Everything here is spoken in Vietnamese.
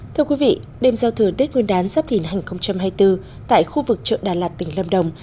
thưa quý vị đêm giao thừa tết nguyên đán giáp thìn hai nghìn hai mươi bốn tại khu vực chợ đà lạt tỉnh lâm đồng